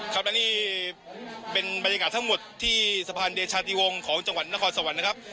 ครับและนี่เป็นบรรยากาศทั้งหมดที่สะพานเดชาติวงศ์ของจังหวัดนครสวรรค์นะครับ